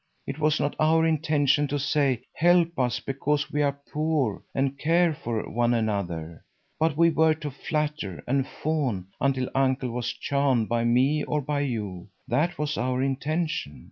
It was not our intention to say: 'Help us, because we are poor and care for one another,' but we were to flatter and fawn until Uncle was charmed by me or by you; that was our intention.